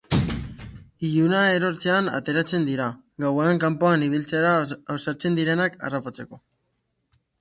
Iluna erortzean ateratzen dira, gauean kanpoan ibiltzera ausartzen direnak harrapatzeko.